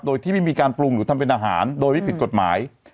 โดยที่ไม่มีการปรุงหรือทำเป็นอาหารโดยไม่ผิดกฎหมาย